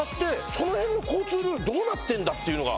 その辺の交通ルールどうなってんだっていうのが。